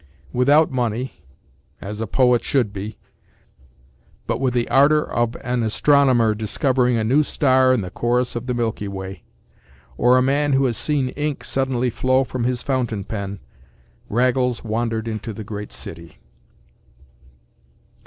Without money—as a poet should be—but with the ardor of an astronomer discovering a new star in the chorus of the milky way, or a man who has seen ink suddenly flow from his fountain pen, Raggles wandered into the great city.